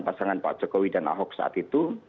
pasangan pak jokowi dan ahok saat itu